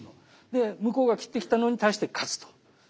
で向こうが斬ってきたのに対して勝つと。